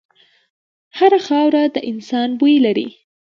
هره خاوره د انسان بوی لري.